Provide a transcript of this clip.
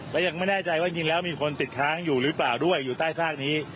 และยังไม่แน่ใจว่าจริงแล้วมีคนติดค้างอยู่หรือเปล่าด้วยอยู่ใต้ซากนี้